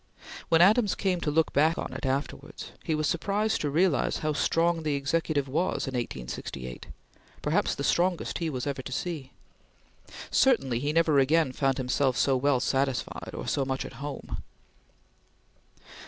When Adams came to look back on it afterwards, he was surprised to realize how strong the Executive was in 1868 perhaps the strongest he was ever to see. Certainly he never again found himself so well satisfied, or so much at home.